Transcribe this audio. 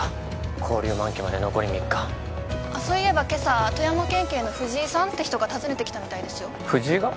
勾留満期まで残り３日そういえば今朝富山県警の藤井さんって人が訪ねてきたみたいですよ藤井が？